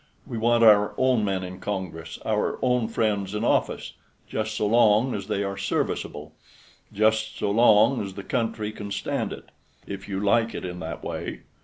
We want our own men in Congress, our own friends in office, just so long as they are serviceable just so long as the country can stand it, if you like it in that way.